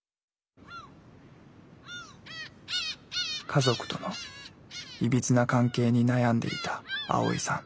家族とのいびつな関係に悩んでいたアオイさん。